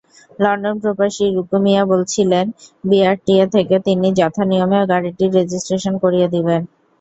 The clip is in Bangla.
লন্ডনপ্রবাসী রুকু মিয়া বলেছিলেন, বিআরটিএ থেকে তিনি যথানিয়মে গাড়িটি রেজিস্ট্রেশন করিয়ে দেবেন।